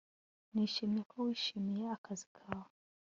Nishimiye ko wishimiye akazi kawe